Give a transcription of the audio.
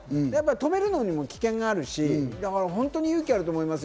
止めるのにも危険があるし、本当に勇気あると思います。